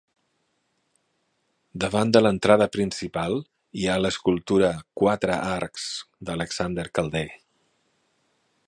Davant de l'entrada principal hi ha l'escultura "Quatre arcs" d'Alexander Calder.